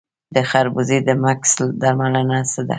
د خربوزې د مګس درملنه څه ده؟